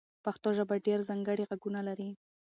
پښتو ژبه ډېر ځانګړي غږونه لري.